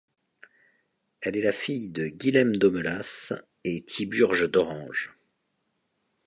Elle est la fille de Guilhem d'Aumelas et Thiburge d'Orange.